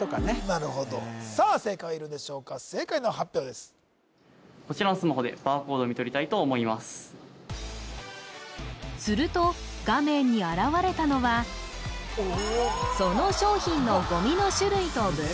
なるほどさあ正解はいるんでしょうか正解の発表ですすると画面に現れたのはその商品のゴミの種類と分別